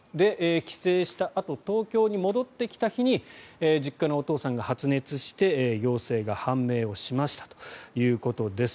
帰省したあと東京に戻ってきた日に実家のお父さんが発熱して陽性が判明しましたということです。